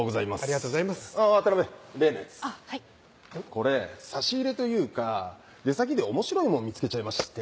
これ差し入れというか出先で面白いもん見つけちゃいまして。